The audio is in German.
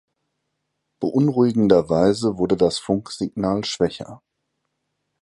Beunruhigenderweise wurde das Funksignal schwächer.